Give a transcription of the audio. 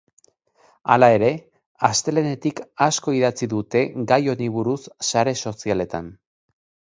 Hala ere, astelehenetik asko idatzi dute gai honi buruz sare sozialetan.